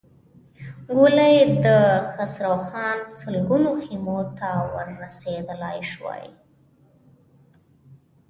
ګولۍ يې د خسروخان سلګونو خيمو ته ور رسېدای شوای.